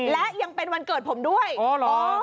และยังเป็นวันเกิดผมด้วยอ๋อเหรอ